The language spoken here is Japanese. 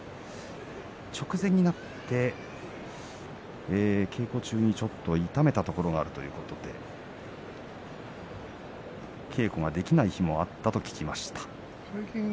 直前になって稽古中にちょっと痛めたところがあるということで稽古ができない日もあったと聞きました。